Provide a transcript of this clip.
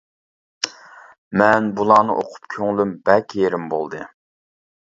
مەن بۇلارنى ئۇقۇپ كۆڭلۈم بەك يېرىم بولدى.